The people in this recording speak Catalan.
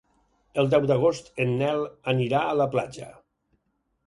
El deu d'agost en Nel anirà a la platja.